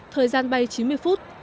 thời gian bay chín mươi phút